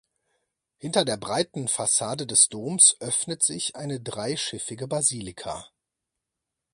Hinter der breiten Fassade des Doms öffnet sich eine dreischiffige Basilika.